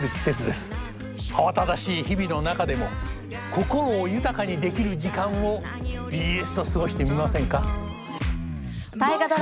慌ただしい日々の中でも心を豊かにできる時間をＢＳと過ごしてみませんか。